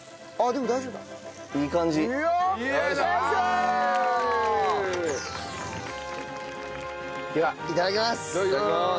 ではいただきます。